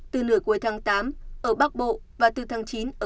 từ nửa cuối tháng tám ở bắc bộ và từ tháng chín ở khu vực bắc bộ